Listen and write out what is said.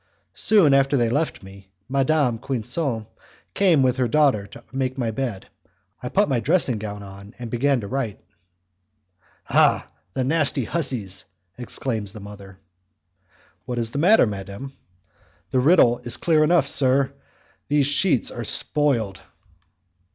Soon after they had left me, Madame Quinson came with her daughter to make my bed. I put my dressing gown on, and began to write. "Ah! the nasty hussies!" exclaims the mother. "What is the matter, madam?" "The riddle is clear enough, sir; these sheets are spoiled."